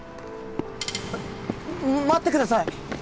待ってください！